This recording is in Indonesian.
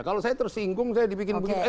kalau saya tersinggung saya dibikin begini eh turun